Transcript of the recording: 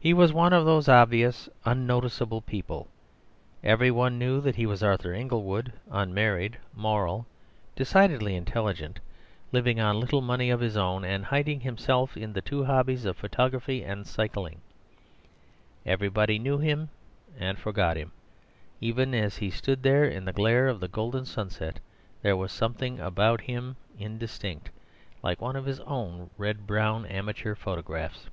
He was one of those obvious unnoticeable people: every one knew that he was Arthur Inglewood, unmarried, moral, decidedly intelligent, living on a little money of his own, and hiding himself in the two hobbies of photography and cycling. Everybody knew him and forgot him; even as he stood there in the glare of golden sunset there was something about him indistinct, like one of his own red brown amateur photographs.